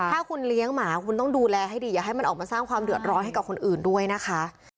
ถ้าคุณเลี้ยงหมาคุณต้องดูแลให้ดีอย่าให้มันออกมาสร้างความเดือดร้อนให้กับคนอื่นด้วยนะคะ